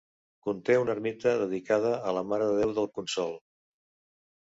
Conté una ermita dedicada a la Mare de Déu del Consol.